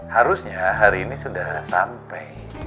harusnya hari ini sudah sampai